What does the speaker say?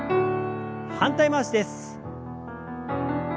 反対回しです。